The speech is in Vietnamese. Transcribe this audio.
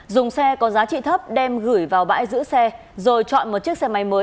dùng xe có giá trị thấp đem gửi vào bãi giữ xe rồi chọn một chiếc xe máy mới